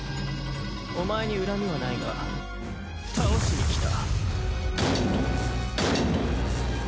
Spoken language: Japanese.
お前に恨みはないが倒しにきた。